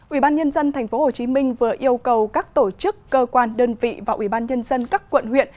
ubnd tp hcm vừa yêu cầu các tổ chức cơ quan đơn vị và ubnd các quận huyện